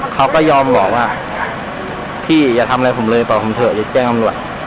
เขาก็ยอมบอกว่าพี่อย่าทำอะไรผมเลยบอกผมเถอะอย่าแจ้งตำรวจ